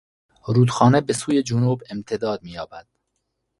رودخانه به سوی جنوب امتداد مییابد.